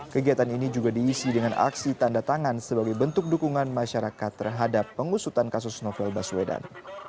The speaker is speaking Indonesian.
kegiatan ini juga diisi dengan aksi tanda tangan sebagai bentuk dukungan masyarakat terhadap pengusutan kasus novel baswedan